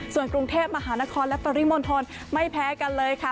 ส่วนกรุงเทพมหานครและปริมณฑลไม่แพ้กันเลยค่ะ